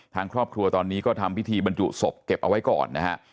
ทางครอบครัวตอนนี้ก็ทำพิธีบรรจุศพเก็บเอาไว้ก่อนนะฮะ